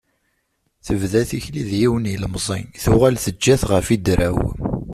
Tebda tikli d yiwen n yilemẓi tuɣal teǧǧa-t ɣef yidra-w.